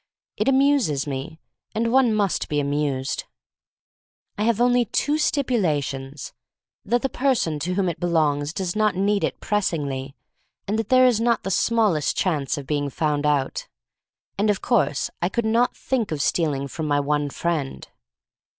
It amuses me — and one must be amused. I have only two stipulations: that the person to whom it belongs does not need it pressingly, and that there is not the smallest chance of being found out. (And of course I could not think of stealing from my one friend.)